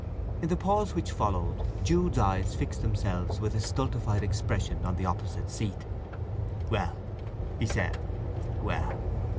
In the pause which followed, Jude's eyes fixed themselves with a stultified expression on the opposite seat. "Well!" he said… "Well!"